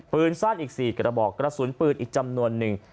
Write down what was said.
ปืนสั้นอีก๔กระบอกกระสุนปืนอีกจำนวนนึง